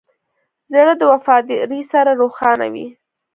زړه د وفادارۍ سره روښانه وي.